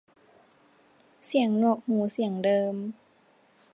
เสียงหนวกหูเสียงเดิม